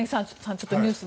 ちょっとニュースで。